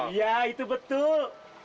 iya itu betul